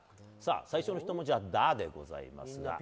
最初の１文字は「だ」でございますが。